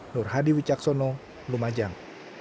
nur hadi wicaksono lumajang